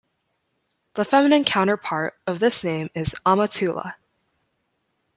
The feminine counterpart of this name is Amatullah.